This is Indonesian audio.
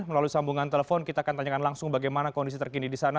melalui sambungan telepon kita akan tanyakan langsung bagaimana kondisi terkini di sana